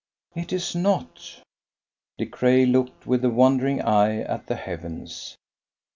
"It is not." De Craye looked with a wandering eye at the heavens.